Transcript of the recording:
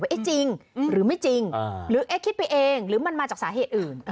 เอ๊ะจริงหรือไม่จริงหรือเอ๊ะคิดไปเองหรือมันมาจากสาเหตุอื่น